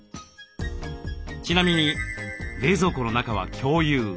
ちなみに冷蔵庫の中は共有。